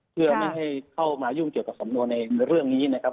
เพื่อไม่ให้เข้ามายุ่งเกี่ยวกับสำนวนในเรื่องนี้นะครับ